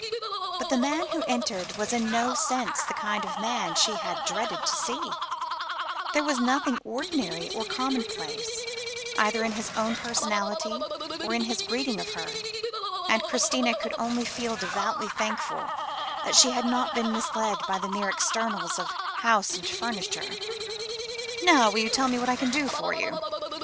But the man who entered was in no sense the kind of man she had dreaded to see; there was nothing ordinary or commonplace, either in his own personality or in his greeting of her, and Christina could only feel devoutly thankful that she had not been misled by the mere externals of house and furniture. "Now will you tell me what I can do for you?"